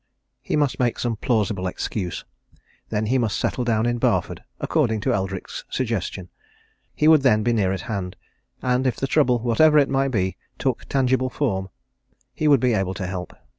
He must make some plausible excuse: then he must settle down in Barford, according to Eldrick's suggestion. He would then be near at hand and if the trouble, whatever it might be, took tangible form, he would be able to help.